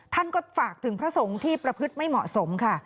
ท่านก็ฝากถึงพระสงฆ์ที่ประพฤติไม่เหมาะสมค่ะ